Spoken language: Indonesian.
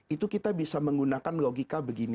itu kita bisa menggunakan logika begini